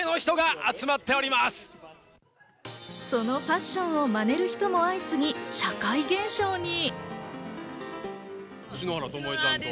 そのファッションをまねる人も相次ぎ、社会現象に。